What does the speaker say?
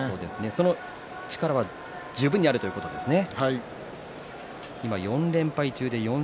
その力は十分にあるということですね。